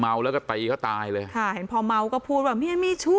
แล้วก็ตีเขาตายเลยค่ะเห็นพอเมาก็พูดว่าเมียมีชู้